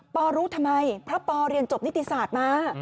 รู้ทำไมเพราะปอเรียนจบนิติศาสตร์มา